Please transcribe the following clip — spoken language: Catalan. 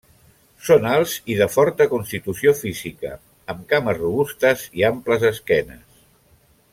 Són alts i de forta constitució física, amb cames robustes i amples esquenes.